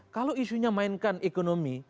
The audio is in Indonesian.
kalau isunya mainkan ekonomi